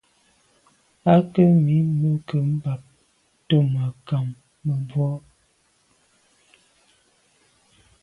À ke mi meke’ mbàb ntùn à kàm mebwô il mache bien.